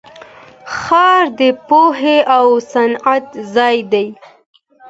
ښار د پوهې او صنعت ځای دی.